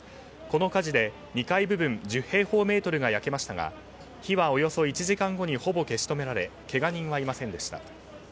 この火事で２２階部分１０平方メートルが火はおよそ１時間後にほぼ消し止められけが人はいませんでした。